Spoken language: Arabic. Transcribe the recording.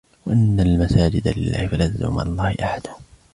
وَأَنَّ الْمَسَاجِدَ لِلَّهِ فَلَا تَدْعُوا مَعَ اللَّهِ أَحَدًا